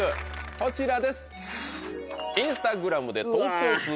こちらです。